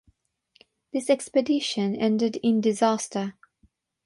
This expedition ended in disaster.